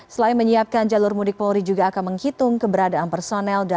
selain menyiapkan jalur mudik polri juga akan menggunakan